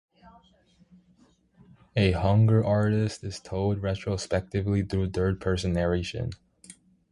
"A Hunger Artist" is told retrospectively through third-person narration.